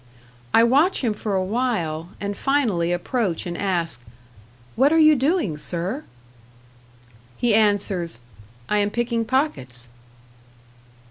I watch him for a while, and finally approach and ask, "What are you doing, sir?" He answers, "I am picking pockets."